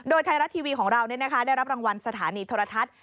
โดยไทยรัฐทีวีของเราได้รับรางวัลสถานีโทรทัศน์